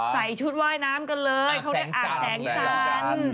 ใส่ชุดว่ายน้ำกันเลยเขาเรียกอาบแสงจันทร์